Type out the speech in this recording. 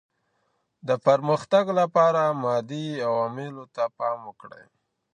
د پرمختګ لپاره مادي عواملو ته پام وکړئ.